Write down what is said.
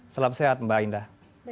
selam sehat mbak indah